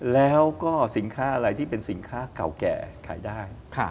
แล้วก็สินค้าอะไรที่เป็นสินค้าเก่าแก่ขายได้